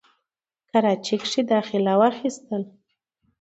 کراچۍ کښې داخله واخسته،